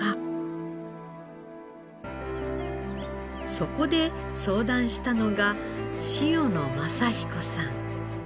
そこで相談したのが塩野昌彦さん。